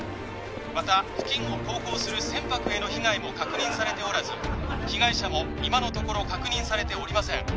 また付近を航行する船舶への被害も確認されておらず被害者も今のところ確認されておりません